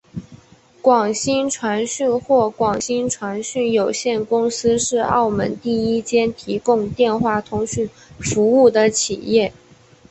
广星传讯或广星传讯有限公司是澳门第一间提供电话通讯服务的企业。